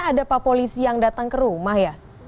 ada pak polisi yang datang ke rumah ya